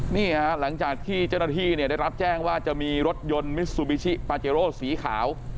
หลังจากที่เจ้าหน้าที่เนี่ยได้รับแจ้งว่าจะมีรถยนต์มิซูบิชิปาเจโร่สีขาว